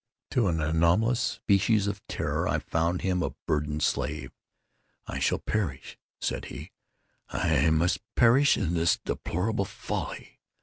To an anomalous species of terror I found him a bounden slave. "I shall perish," said he, "I must perish in this deplorable folly.